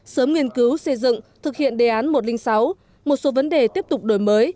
sớm nghiên cứu xây dựng thực hiện đề án một trăm linh sáu một số vấn đề tiếp tục đổi mới